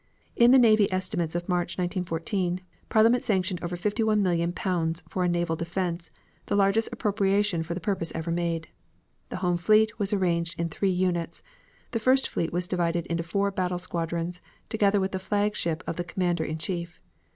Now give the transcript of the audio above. In the navy estimates of March, 1914, Parliament sanctioned over 51,000,000 Pounds for a naval defense, the largest appropriation for the purpose ever made. The home fleet was arranged in three units, the first fleet was divided into four battle squadrons, together with the flagship of the commander in chief.